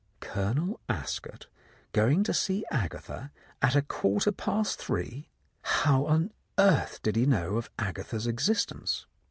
Colonel Ascot going to see Agatha at a quarter past three. ... How on earth did he know of Agatha's existence?